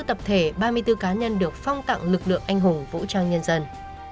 ba mươi bốn tập thể ba mươi bốn cá nhân được phong tặng lực lượng anh hùng vũ trang nhân dân